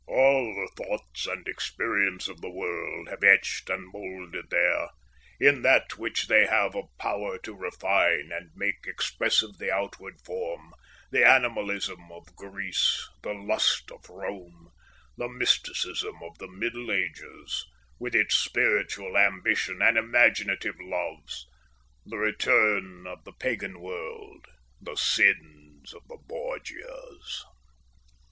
All the thoughts and experience of the world have etched and moulded there, in that which they have of power to refine and make expressive the outward form, the animalism of Greece, the lust of Rome, the mysticism of the Middle Ages, with its spiritual ambition and imaginative loves, the return of the Pagan world, the sins of the Borgias."